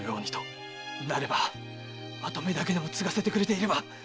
なれば跡目だけでも継がせてくれていれば。